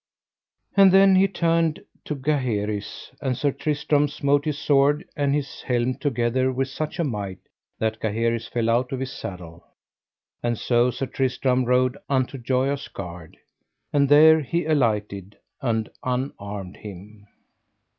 And then he turned to Gaheris, and Sir Tristram smote his sword and his helm together with such a might that Gaheris fell out of his saddle: and so Sir Tristram rode unto Joyous Gard, and there he alighted and unarmed him.